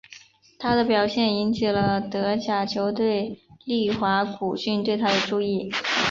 他的表现引起了德甲球队利华古逊对他的注意。